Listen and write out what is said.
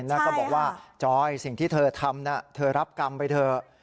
แล้วก็บอกว่าจอยสิ่งที่เธอทำเธอรับกรรมไปเถอะ